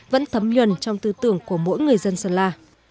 vẫn thấm nhuần trong tư tưởng của mỗi người dân sơn la